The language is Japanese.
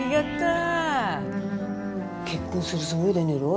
結婚するつもりでねえろ？